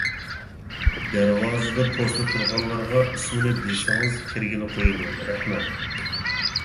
دەرۋازىدا پوستا تۇرغانلارغا ئىسىمنى دېسىڭىز كىرگىلى قويىدۇ. رەھمەت!